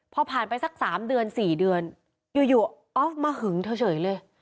พอผ่านไปสัก๓เดือน๔เดือนอยู่ออฟมาหึงเธอเฉยเลย